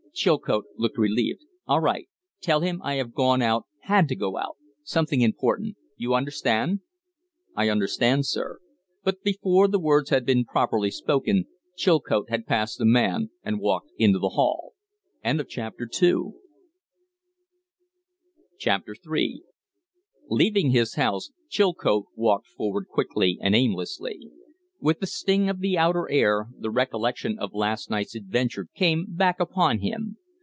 Chilcote looked relieved. "All right! Tell him I have gone out had to go out. Something important. You understand?" "I understand, sir." But before the words had been properly spoken Chilcote had passed the man and walked into the hall. III Leaving his house, Chilcote walked forward quickly and aimlessly. With the sting of the outer air the recollection of last night's adventure came back upon him.